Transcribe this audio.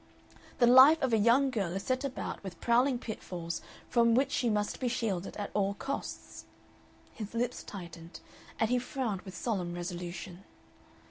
"The life of a young girl is set about with prowling pitfalls, from which she must be shielded at all costs." His lips tightened, and he frowned with solemn resolution.